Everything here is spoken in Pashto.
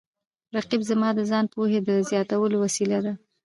رقیب زما د ځان پوهې د زیاتولو وسیله ده